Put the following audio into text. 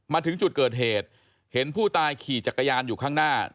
มาถึงจุดเกิดเหตุเห็นผู้ตายขี่จักรยานอยู่ข้างหน้า